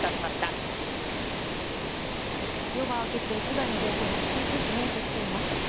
夜が明けて被害状況が少しずつ見えてきています。